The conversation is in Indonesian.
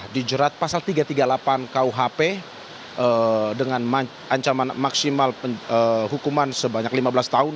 dijerat pasal tiga ratus tiga puluh delapan kuhp dengan ancaman maksimal hukuman sebanyak lima belas tahun